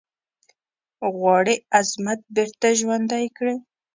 غواړي عظمت بیرته ژوندی کړی.